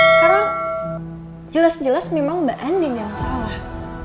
sekarang jelas jelas memang mbak andi yang salah